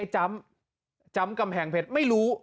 ไอ้จ้ำจ้ำกำแพงเพชรไม่รู้